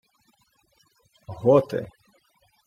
— Готи.